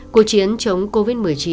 cuộc chiến chống covid một mươi chín